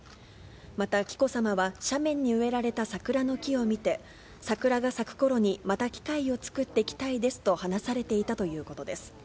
また紀子さまは、斜面に植えられた桜の木を見て、桜が咲くころにまた機会を作って来たいですと話されていたということです。